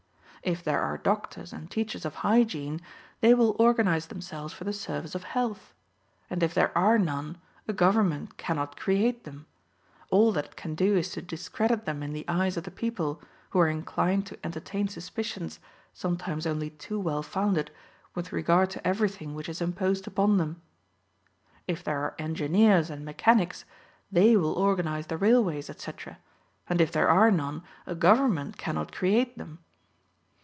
If there are doctors and teachers of hygiene, they will organize themselves for the service of health. And if there are none, a government cannot create them; all that it can do is to discredit them in the eyes of the people, who are inclined to entertain suspicions, sometimes only too well founded, with regard to everything which is imposed upon them. If there are engineers and mechanics, they will organize the railways, etc; and if there are none, a government cannot create them.